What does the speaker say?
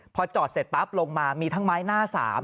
พอจอดเสร็จปั๊บลงมามีทั้งไม้หน้า๓